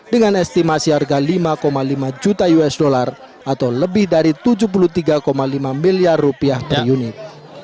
dengan estimasi harga lima lima juta usd atau lebih dari tujuh puluh tiga lima miliar rupiah per unit